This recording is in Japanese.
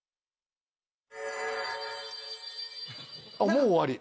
もう終わり？